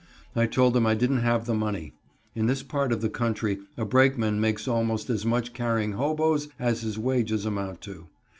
I told them I didn't have the money. (In this part of the country a brakeman makes almost as much carrying hobos as his wages amount to.